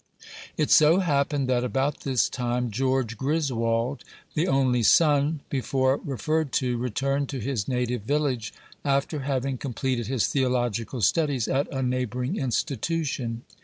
It so happened that, about this time, George Griswold, the only son before referred to, returned to his native village, after having completed his theological studies at a neighboring institution.